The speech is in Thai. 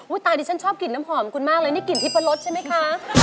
ตายดิฉันชอบกลิ่นน้ำหอมคุณมากเลยนี่กลิ่นทิปะรดใช่ไหมคะ